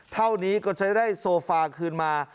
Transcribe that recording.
เท่านี้ก็จะได้โซฟาคืนมา